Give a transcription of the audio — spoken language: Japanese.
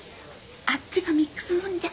あっちがミックスもんじゃ。